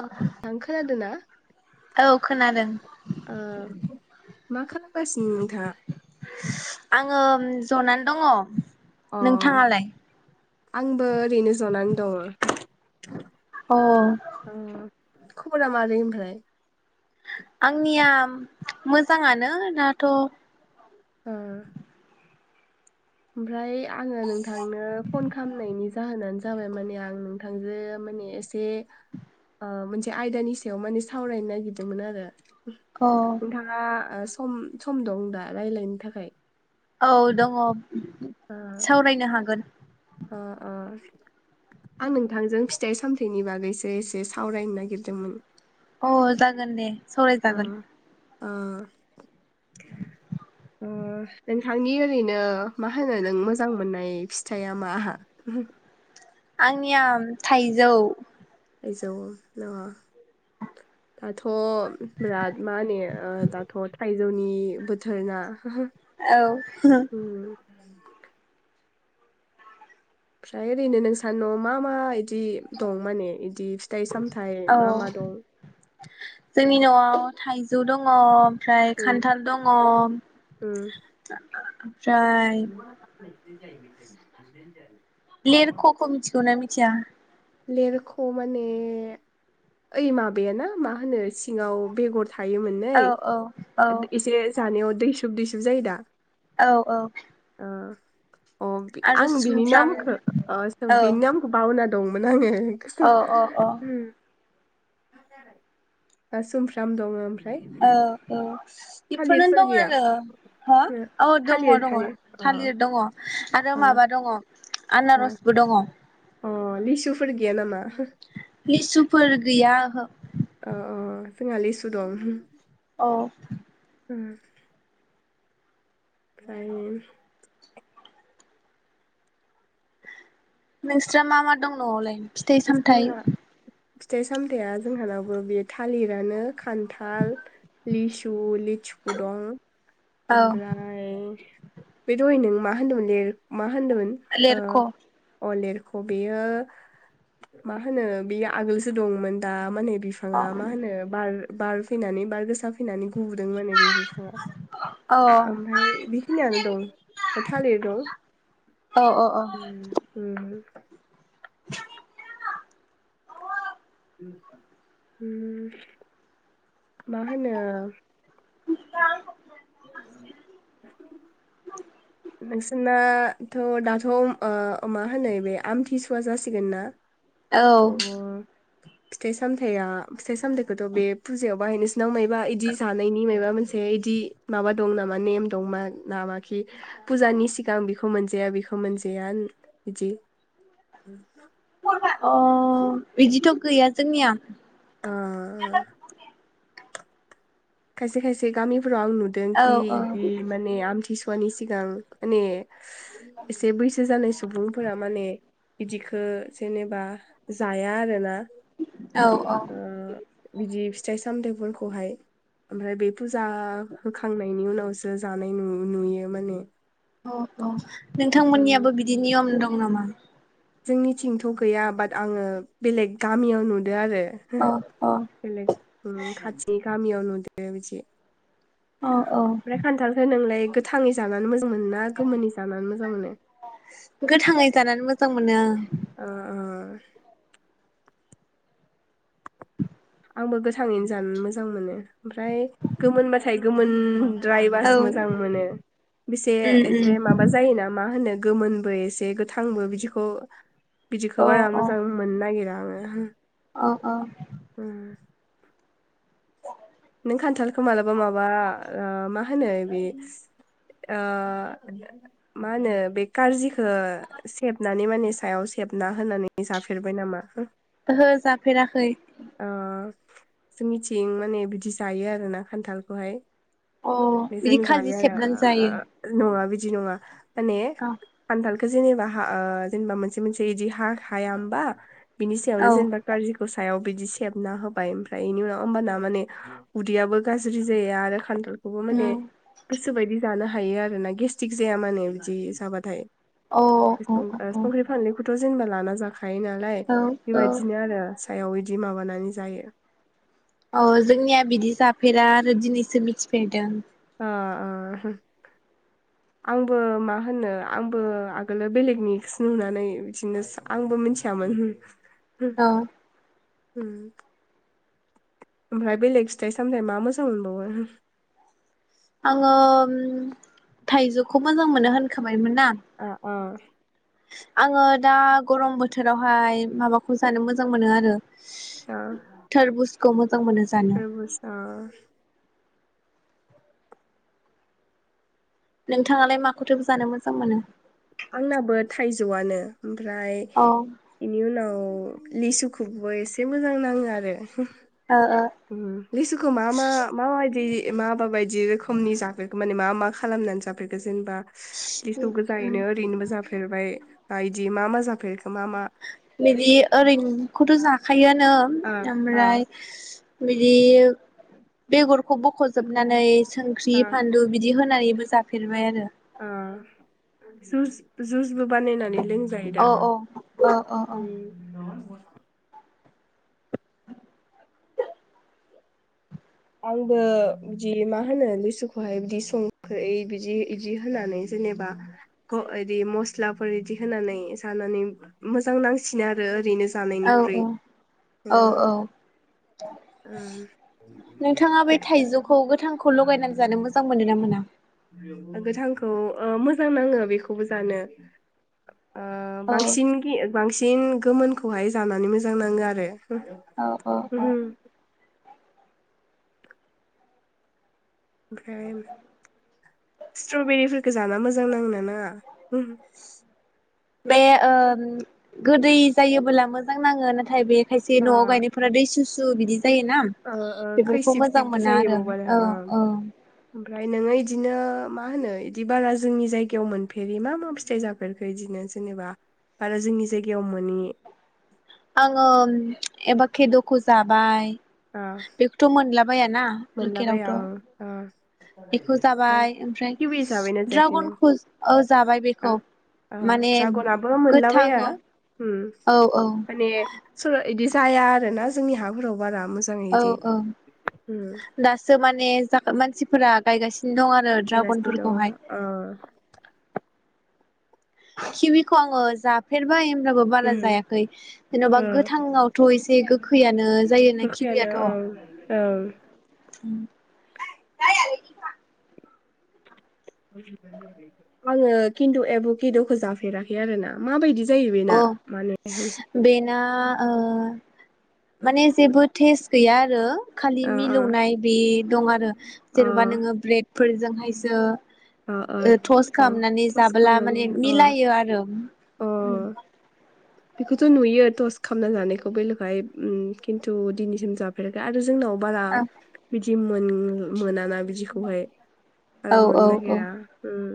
ओ नोंथां खोनादो ना औ खोनादों ओ मा खालामगासिनो नोंथाङा? आङो जनानै दङ'। अ नोंथाङालाय। आंबो ओरैनो जनानै दङो। अ ओ खबरा मारै ओमफ्राय आंनिया मोजाङानो दाथ' ओ ओमफ्राय आङो नोंथांनो फन खालामनायनि जाहोनानो जाबाय माने आं नोंथांजो माने एसे ओ मोनसे आयदानि सायाव माने सावरायनो नागिरदोंमोन आरो अ नोंथाङा सम सम दं दा रायलायनो थाखाय औ दङ ओ सावरायनो हागोन ओ ओ आं नोंथांजों फिथाइ सामथायाइनि बागैसो एसे सावरायनो नागिरदोंमोन अ जागोन दे ओ सावरायजागोन ओ ओ नोंथांनि ओरैनो मा होनो नों मोजां मोननाय फिथाइया माहा आंनिया थाइजौ थाइजौ न' दाथ' बिराद मा होनो ओ दाथ' थाइजौनि बोथोरना औ [unintelligible] ओमफ्राय ओरैनो नोंसानि न'आव मा मा इदि दं माने बिदि फिथाइ सामथाइ औ मा मा दं जोंनि न'आव थाइजौ दङ ओमफ्राय उम खान्थाल दङ उम ओमफ्राय [unintelligible] लेरख' खौ मोथिगौना थिया लेरख' माने ओइ माबाया ना मा होनो सिङाव बेगर थायोमोन नै औ औ औ एसे जानायाव दैसुब दैैसुब जायो दा औ औ ओ अ आरो आं बिनि सुमफ्राम नामखो ओ औ बिनि नामखो बावना मोन आङो औ औ औ [unintelligible] दा सुमफ्राम दङ ओम औ औ बेफोरनो दं गैया आरो हो औ दङ थालिर दङ थालिर अ थालिर दङ। आरो अ माबा दङ। अ आनारसबो दङ। अ लिसुफोर गैया नामा? लिसुफोर गैया ओहो। अ अ जोंहा लिसु दं। औ। उम। फ्रायइम। नोंस्रा मा मा दं न'आवलाय? फिथाइ सामथाइ फिथाइ-सामथाया जोंहानाबो बे थालिरानो खान्थाल लिसु लि थिखु दं औ ओमफ्राय बे दहाय नों मा होन्दों ले मा होदोमोन लेरख' अ ओ अलिरफ ख बेयो मा होनो बेयो आगोलसो दंमोन दा माने बिफाङा मा होनो बार बार फैनानै बार गोसा फैनानै गुबुदोंमोन बे बिफाङा औ ओमफाय बेखिनियानो दं थालिर दं औ औ उम उम। [unintelligible] उम माहोनो [unintelligible] नोंसोरनाथ' दाथ' ओ ओ मा होनो बे आमथिसुवा जासिगोन ना। औ थह फिथाइ-सामथाया फिथाइ-सामथायखौथ' बे फुजायाव बाहायनोस सिनाव मायबा इदि जानायनि मायबा मोनसे बेइदि माबा दं नामा नेम दं मा ना माखि फुजानि सिगां बेखौ मोनजाया बेखौ मोनजाया इदि अ बेदिथ' गैया जोंनिया खायसे खायसे गामि फोराव आं औ नुदोंखि बि माने आमथिसु सुवानि सिगां माने एसे बैसो जानायस सुबुंफोरा माने बिदिखो जेनेबा जाया आरोना। [unintelligible] ओ बिदि फिथाइ सामथायफोरखौहाय ओमफ्राय बे फुजा होखांनायनि उनावसो जानाय नुयो नुयो माने। औ औ। उम नोंथांमोननियाबो बिदि नियम दं नामा। जोंनिथिंथ' गैया बाट आङो बेलेग गामियाव नु अ अ [unintelligible] खाथिनि गामियाव नु [unintelligible] बिदि अ औ ओमफ्राय खान्थालखो नोंलाय गोथाङै जानानै मोजां मोनो ना गोमोनै जानानै मोजां मोनो? थाव मोनो। ओ-ओ। आंबो गोथाङैनो जानो मोजां मोनो ओमफ्राय गोमोनबाथाय गोमोन द्रायबासो औ मोजां मोनो बेसे उम एसे उम माबा जायोना मा होनो गोमोनबो एसे गोथांबो बिदिखौ अ बिदिखौ बारा मोजां मोन्नो नागिरा [unintelligible] औ औ। उम। खान्थालखौ मालाबा माबा ओ मा होनो बे ओ मा होनो बे कारजिखो सेबनानै माने सायाव सेबना होनानै जाफेरबाय नामा? ओहो जाफेराखै। ओ जोंनिथिं माने बिदि जायो आरो ना खान्थालखौहाय। अ बेजों बिदि खाजि जायो आरो सेबनानै जायो ओ नङा बिदि दि नङा। माने औ खान्थाल खो जेनेबा हा ओ जेनेबा मोनसे मोनसे बिदि हा हाया होमबा। बिनि औ सायावनो जेनेबा काजिखौ। हायाव। बिदि सेबना होबाय ओमफ्राय बेनि उनाव होम्बाना माने उदैयाबो गाज्रि जाया आरो खान्थाल [unintelligible] अ माने गोसो बायदि जानो [unintelligible] थायो आरो ना गेस्टिक जाया मानो बिदि जाबाथाय। अ अ अ अ। [unintelligible] 'जेनबा लाना जाख हायो नालाय औ औ बेबायदिनो आरो। [unintelligible] जि माबानानै जायो। अ जोंनिया बिदि जाफेरा आरो दिनैसो मिथिफेरदों। ओ -ओ आंबो मा होनो आंबो आगोलो बेलेगनिसो नुनानै बिदिनो आंबो मिथियामोन। औ उम ओमफ्राय बेलेग फिथाइ सामथायाइ मा मोजां मोनबावो आङो थाइजौखौ मोजां मोनो होनोखोम आ अ आङो दा गरम बोथोरावहाय माबाखौ जानो मोजां मोनो आरो थारबुज खौमोज थारबुज ओ नोंथाङालाय माखौथ' जानो मोजां मोनो आंनाबो थाइजौआनो ओमफ्राय अ ओ बेनि उनाव लिसुखौबो एसे मोजां नाङो आरो ओ उम लिसुखौ मा मा माबादि मा माबाबायद दि रोखोमनि जाफेरखो माने मा मा खालामनानै जाफेरखो जेनेबा लिसु उम उम गोजायैनो ओरैनोबो जाफेर जेनेबाय बायदि मा मा जाफेरखो मा मा बिदि ओरैंखौथ' जा खायोन नो ओ ओ ओमफ्राय बिदि बेगरखौ बख'जोबनानै संख्रि ओ फानलु बिदि होन होनानैबो जाफेरबाय आरो आ जुज जु बो बानायनानै लोंजायो दा औ [inaudible] औ औ औ [inaudible] आंबो बिदि मा होनो लिसुखौहाय बिदि संख्रै बिदि बिदि होनानै जेनेबा बिदि मस्लाफोर बिदि होनानै जानानै मोजां नांसिनो आरो ओरैनो औ जानायनिख्रुइ औ औ औ ओमफ्राय नोंथाङा बे थाइजौखौ गोथांखौ लगायनानै जानो मोजां मोनो ना मोन ना गोथांखौ ओ मोजां नाङो बेखौबो जानो ओ औ बांसिन गि बांसि सिन गोमोनखौहाय जानानै मोजां नाङो आरो। औ औ औ [inaudible] ओमफ्राय स्ट्रबेरिफोरखो जाना मोजां नांङोना नाङा? [inaudible] बे ओ गोदै जायोबोला मोजां नाङो नाथाय बे खायसे न'आव गायनायफोरा दैसु सु सु बिदि जायोना। ओ ओ बेफोरखौ खैसिब मोजां सिबबो मोना आरो। औ औ। फ्राय नोङो इदिनो मा होनो बिदि बारा जोंनि जायगायाव मोनफेरि मा मा फिथाइ जाफेरखो बिदिनो जेनेबा बारा जोंनि जायगायाव मोनि? आङो एबाखेद'खौ जाबाय, ओ बेखौथ' मोनलाबायाना। लकेलावथ' मोनलाबाया ओं ओ। बेखौ जाबाय, ओमफ्राय किवि जाबायना जायाखै नों ड्रागनखौ ओ जाबाय ओ बेखौ ओ माने ड्रागनाबो मोनलाबाया गोथाङाव उम माने [unintelligible] जाया आरो ना जोंनि हाफोराव बारा औ मोजाङैदि। औ दासो माने जा मानसिफोरा गायगासि दं आरो थायगासिनो दङ ड्रागनफोरखौहाय। ओ खिविख' आङो जाफेरब बाय होनब्लाबो बारा उम जायाखै। जेन'बा ओ गोथांआवथ' एसे गोखैयानो जायोना गोखैयानो खिवियाथ'। ओं ओं आङो खिन्थु एबुकेद'खो जाफेराखै आरोना माबायदि जायो बेना अह माने बेना ओ माने जेबो टेस्ट गैया आरो खालि अ मिलौनाय बे दं आरो अ जेन'बा नोङो ब्रेड फोरजोंहायसो अ अ थल अ खामनानै टस्ट जाबोला खालामनानै माने अ मिलायो आरो। अ उम। बेखौथ' नुयो टस खामना जानायखौ बेल'खाय खिन्थु दिनैसिम जाफेराखै आरो जोंनाव बारा बिदि मोन मोनाना बिदिखौहाय। औ आराम औ मोनाय औ [unintelligible] उम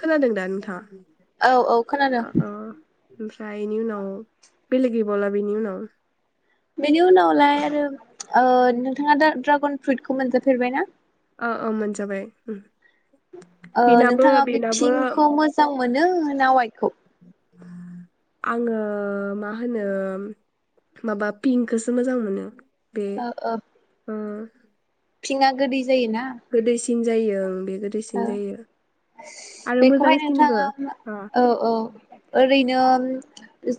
खोनादों दा नोंथाङा? औ औ खोनादों। अ अ ओमफ्राय इनि उनाव बेलेग गैबावला बिनि उनाव बेनि उनावलाय आरो ओ नोंथाङा दा-ड्रागन फ्रुइटखौ मोनजाफेरबायना? ओ ओ मोनजाबाय उम। ओ बेनाबो नोंथाङा बि बेनाबो फिंखौ मोजां मोन नों ना अवायदखौ? आङो मा होनो माबा पिंकखौसो मोजां मोनो। बे ओ फिंङा गोदै जायोना सिन जायो ओं बे गोदैसिन ओ जायो आरो बेखौहाय मोजांसिनबो नोंथाङा अ औ औ ओरैनो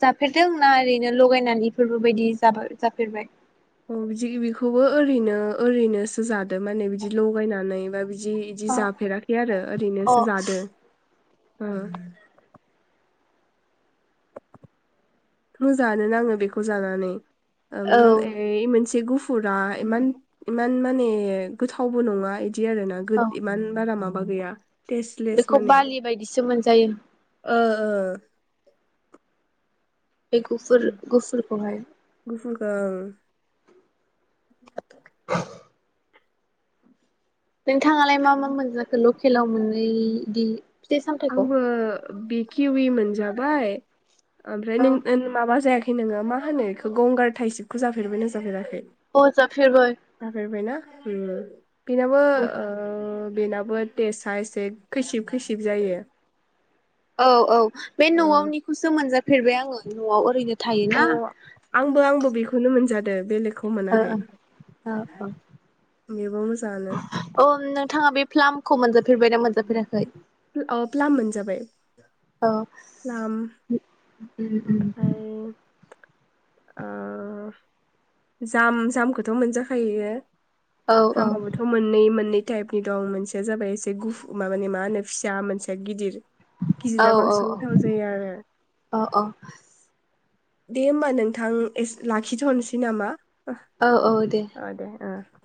जाफेरदों ना ओरैनो लगायनानै बेफोरबो बायदि जाबा जाफेरबाय? अ बिदि बेखौबो ओरैनो ओरैनोसो जादो माने बिदि लगायनानै बा बि इदि इदि अ जाफेराखै आरो अ ओरैनोसो जादों। उम मोजाङानो नाङो बेखौ जानानै। ओम औ नाम ऐइ मोनस से गुफुरा इमान इमान माने गोथावबो नङा इ दि आरो ना गो औ इमान बारा मा बा गैाया बेखौ बालि बायदिसो मोनजायो ओ ओ बे गुफुर गुफुरखौहाय। ओं च नोंथाङालाय मा मा मोनजाखो ल केलाव मोननै इदि फिथाइ सामथाइखौ आंबो बे किउवि मोनजाबाय ओमफ्राय नों ओ औ माबा जायाखै खै नोङो मा होनो इखौ गंगार टाइसिपखौ जाफेरबाय ना जाफेराखै? अ जाफेरबाय जाफेरबायना उम बिनाबो ओ बेनाबो थेसाआ एसे खैसिब खैसि सिब जायो। औ औ बे न'आवनिखौसो मोनजा फेरबाय आङो न'आव ओरैनो अ थायोना आंबो आंबो बेखौ खौनो मोनादों बेलेग खौ ओ मोनाखै औ बेबो मोजाङानो थाङा बे फ्लाम खौ मोनजाफेरबायनाा मोनजाफेराखै अ प्लाम मोनजाबाय औ प्लाम उम उम उम ओमफ्राय ओ जाम जामखौथ' मोनजाखायो औ औ सामफ्रामबोथ' मोननै मोननै टाइपनि दं मोनसेया जाबाय एसे गुफ मा होनो फिसा मोनसेया गिदिर औ गिदिरा औ बांसिन गोथाव जायो आरो औ औ औ दे होमबा नोंथां एस लाखिथ'नोसै सै नामा? ओ औ औ ओ दे ओ